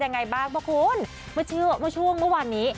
ยังไงบ้างป่ะคุณเมื่อเชื้อเมื่อช่วงเมื่อวันนี้